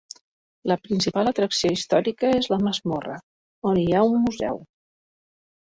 La principal atracció històrica és la masmorra, on hi ha un museu.